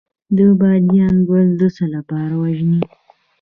د بادیان ګل د څه لپاره وژويئ؟